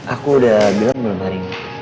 aku udah bilang belum hari ini